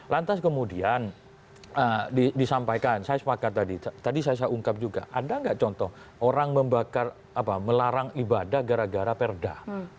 lantas kemudian disampaikan saya sepakat tadi saya ungkap juga ada nggak contoh orang melarang ibadah gara gara perda